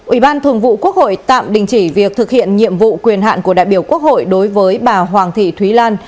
ủy ban thường vụ quốc hội tạm đình chỉ việc thực hiện nhiệm vụ quyền hạn của đại biểu quốc hội đối với bà hoàng thị thúy lan